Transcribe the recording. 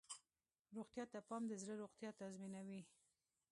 روغتیا ته پام د زړه روغتیا تضمینوي.